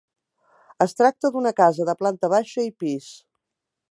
Es tracta d'una casa de planta baixa i pis.